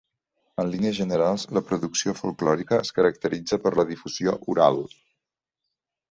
En línies generals, la producció folklòrica es caracteritza per la difusió oral.